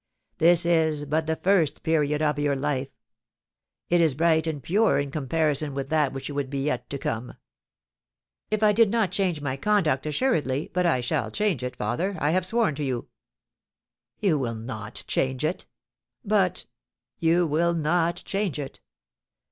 This is but the first period of your life, it is bright and pure in comparison with that which would be yet to come." "If I did not change my conduct, assuredly; but I shall change it, father, I have sworn to you." "You will not change it." "But " "You will not change it!